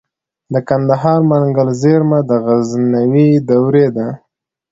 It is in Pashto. د کندهار منگل زیرمه د غزنوي دورې ده